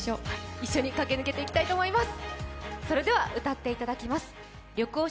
一緒に駆け抜けていきたいと思います。